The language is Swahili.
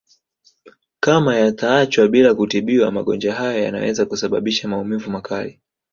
Kama yataachwa bila kutibiwa magonjwa hayo yanaweza kusababisha maumivu makali